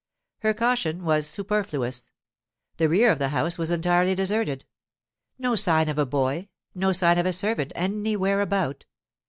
Her caution was superfluous. The rear of the house was entirely deserted. No sign of a boy, no sign of a servant anywhere about.